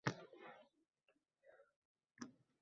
urinishning elementar oqibati bo‘lsa